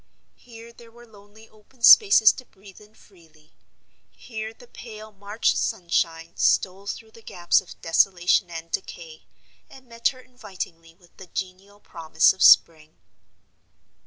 Here there were lonely open spaces to breathe in freely; here the pale March sunshine stole through the gaps of desolation and decay, and met her invitingly with the genial promise of spring.